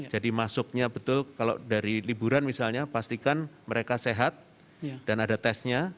jadi masuknya betul kalau dari liburan misalnya pastikan mereka sehat dan ada testnya